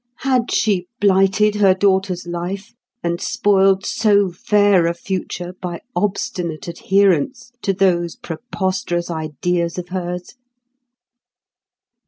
Had she blighted her daughter's life, and spoiled so fair a future by obstinate adherence to those preposterous ideas of hers?